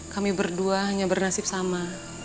kami berdua hanya bernasib sama